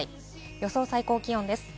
予想最高気温です。